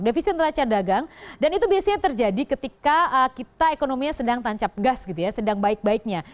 defisit neraca dagang dan itu biasanya terjadi ketika kita ekonominya sedang tancap gas gitu ya sedang baik baiknya